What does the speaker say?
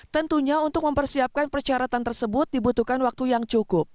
tentunya untuk mempersiapkan persyaratan tersebut dibutuhkan waktu yang cukup